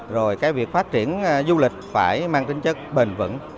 rồi cái việc phát triển du lịch phải mang tính chất bền vững